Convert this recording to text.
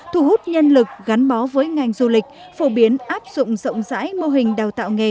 thu hút nhân lực gắn bó với ngành du lịch phổ biến áp dụng rộng rãi mô hình đào tạo nghề